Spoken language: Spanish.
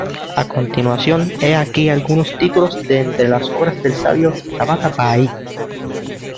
A continuación, he aquí algunos títulos de entre las obras del sabio Tabātabā’i.